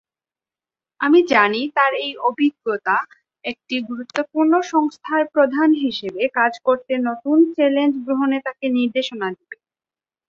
আমি জানি তার এই অভিজ্ঞতা একটি গুরুত্বপূর্ণ সংস্থার প্রধান হিসেবে কাজ করতে নতুন চ্যালেঞ্জ গ্রহণে তাকে নির্দেশনা দেবে।